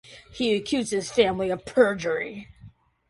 He accused his family of perjury.